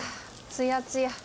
つやつや。